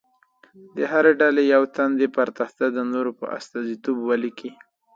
د هرې ډلې یو تن دې پر تخته د نورو په استازیتوب ولیکي.